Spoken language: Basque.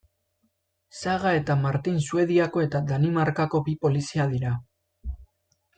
Saga eta Martin Suediako eta Danimarkako bi polizia dira.